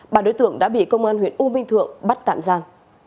bà đối tượng đã bị công an huyện u minh thượng bắt tạm giam